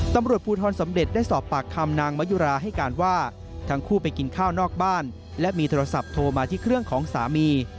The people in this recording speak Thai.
ตำรวจภูทรสำเร็จได้สอบปากคำนางมะยุราให้การว่าทั้งคู่ไปกินข้าวนอกบ้านและมีโทรศัพท์โทรมาที่เครื่องของสามี